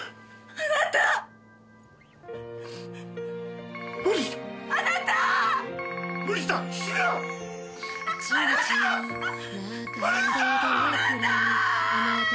あなた！